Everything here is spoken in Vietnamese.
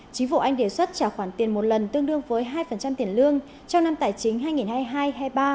chính phủ anh đề xuất trả khoản tiền một lần tương đương với hai tiền lương trong năm tài chính hai nghìn hai mươi hai hai nghìn ba mươi